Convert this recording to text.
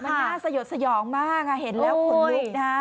มันน่าสยดสยองมากเห็นแล้วขนลุกนะฮะ